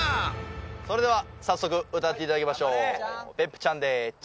それでは早速歌っていただきましょう大丈夫か？